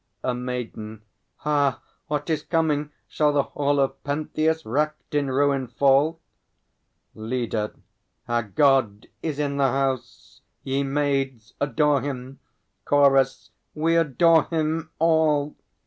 _ A MAIDEN. Ha! what is coming? Shall the hall Of Pentheus racked in ruin fall? LEADER. Our God is in the house! Ye maids adore Him! CHORUS. We adore Him all!